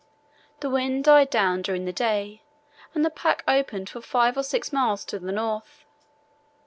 The wind died down during the day and the pack opened for five or six miles to the north.